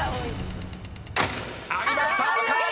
［ありました「赤」！